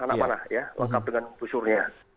anak mana ya lengkap dengan busurnya